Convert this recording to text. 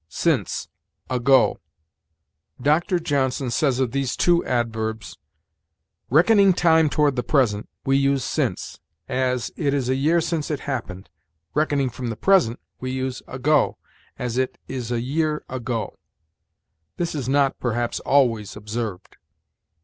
SINCE AGO. Dr. Johnson says of these two adverbs: "Reckoning time toward the present, we use since; as, 'It is a year since it happened': reckoning from the present, we use ago; as, 'It is a year ago.' This is not, perhaps, always observed."